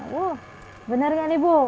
wah benar kan ibu